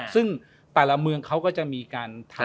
สึ่งแต่ละเมืองเขาก็จะมีการไทรแคลเตอร์ต่าง